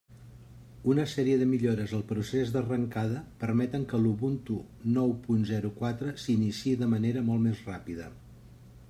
Una sèrie de millores al procés d'arrencada permeten que l'Ubuntu nou punt zero quatre s'iniciï de manera molt més ràpida.